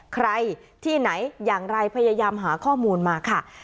ใครที่ไหนอย่างไรพยายามหาข้อมูลมาค่ะ